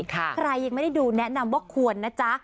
ใครยังไม่ได้ดูแนะนำว่าควรนะจ๊ะ